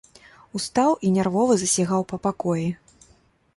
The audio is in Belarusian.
Устаў і нервова засігаў па пакоі.